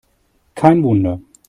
Kein Wunder!